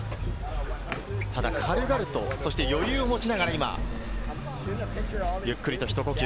ただ軽々と、そして余裕を持ちながら今、ゆっくりと、ひと呼吸。